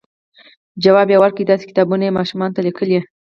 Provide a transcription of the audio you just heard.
ځواب یې ورکړ، داسې کتابونه یې ماشومانو ته لیکل،